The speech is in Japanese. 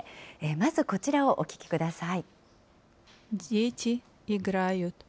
まずこちらをお聞きください。